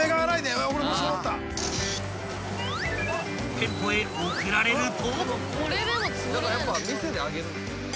［店舗へ送られると］